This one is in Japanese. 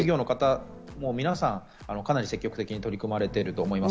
企業の方、皆さんかなり積極的に取り組まれていると思います。